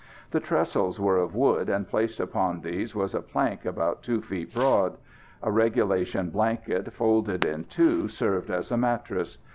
The trestles were of wood, and placed upon these was a plank about 2 feet broad. A regulation blanket folded in two served as a mattress.